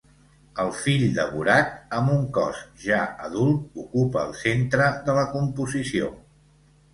El fill devorat, amb un cos ja adult, ocupa el centre de la composició.